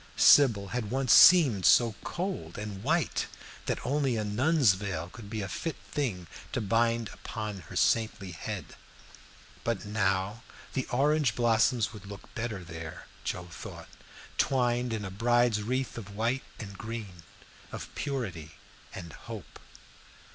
Sybil had once seemed so cold and white that only a nun's veil could be a fit thing to bind upon her saintly head; but now the orange blossoms would look better there, Joe thought, twined in a bride's wreath of white and green, of purity and hope.